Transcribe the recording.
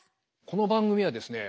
この番組はですね